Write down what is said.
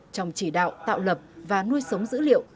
trong chỉ đạo tạo lập và nuôi sống dữ liệu